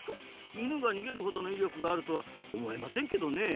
イヌが逃げるほどの威力があるとは思えませんけどねえ。